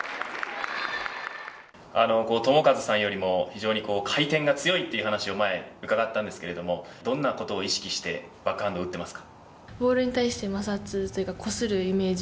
智和さんよりも回転が強いという話を伺ったんですけれどもどんなことを意識してバックハンドを打っていますか。